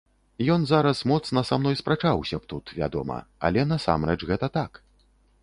Ён зараз моцна са мной спрачаўся б тут, вядома, але насамрэч гэта так.